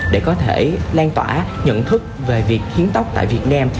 để có thể lan tỏa nhận thức về việc hiến tóc tại việt nam